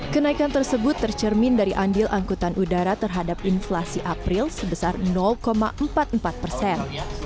kenaikan tersebut tercermin dari andil angkutan udara terhadap inflasi april sebesar empat puluh empat persen